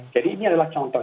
jadi ini adalah contoh